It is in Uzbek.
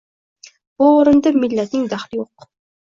Bu o’rinda millatning daxli yo’q.